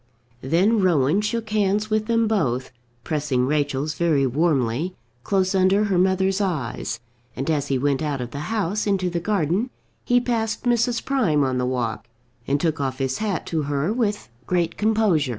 Then Rowan shook hands with them both, pressing Rachel's very warmly, close under her mother's eyes; and as he went out of the house into the garden, he passed Mrs. Prime on the walk, and took off his hat to her with great composure.